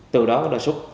từ đó là số tài liệu